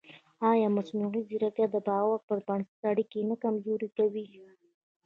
ایا مصنوعي ځیرکتیا د باور پر بنسټ اړیکې نه کمزورې کوي؟